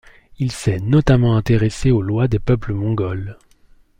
Il s'est notamment intéressé aux lois des peuples mongols.